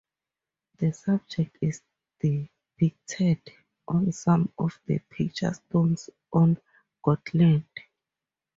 The subject is depicted on some of the picture stones on Gotland.